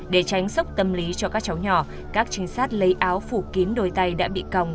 để tránh sốc tâm lý cho các cháu nhỏ các trinh sát lấy áo phủ kín đôi tay đã bị còng